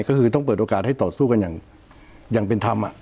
ก็คือต้องเปิดโอกาสให้ต่อสู้กันอย่างเป็นธรรม